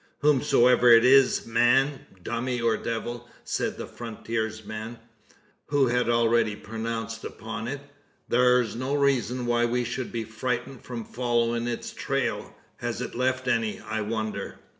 "Whatsomever it is man, dummy, or devil," said the frontiersman, who had already pronounced upon it, "thar's no reason why we should be frightened from followin' its trail. Has it left any, I wonder?"